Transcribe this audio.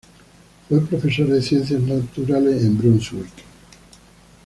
Fue profesor de ciencias naturales en Brunswick.